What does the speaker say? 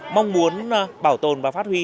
mong muốn bảo tồn và phát huy